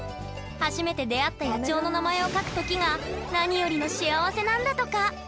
初めて出会った野鳥の名前を書く時が何よりの幸せなんだとか。